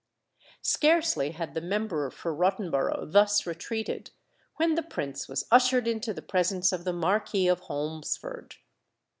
Scarcely had the Member for Rottenborough thus retreated, when the Prince was ushered into the presence of the Marquis of Holmesford.